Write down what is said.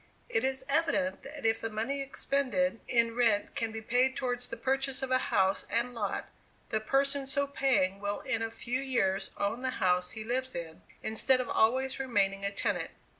It is evident that if the money expended in rent can be paid towards the purchase of a house and lot, the person so paying will in a few years own the house he lives in, instead of always remaining a tenant.